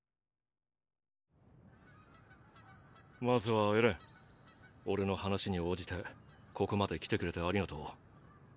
まずはエレン俺の話に応じてここまで来てくれてありがとう。